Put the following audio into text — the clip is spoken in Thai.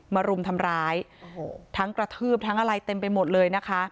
รุมทำร้ายโอ้โหทั้งกระทืบทั้งอะไรเต็มไปหมดเลยนะคะ